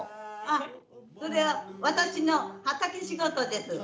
それは私の畑仕事です。